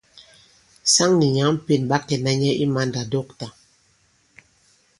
Saŋ nì nyǎŋ Pên ɓa kɛ̀na nyɛ i mandàdɔ̂ktà.